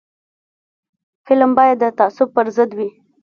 فلم باید د تعصب پر ضد وي